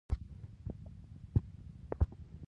احمد نو اوس ګونډې ووهلې؛ کار نه کوي.